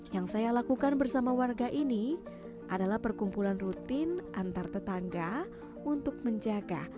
yang saya lakukan bersama warga ini adalah perkumpulan rutin antar tetangga untuk menjaga